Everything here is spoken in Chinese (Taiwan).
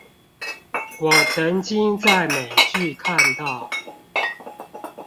我曾經在美劇看到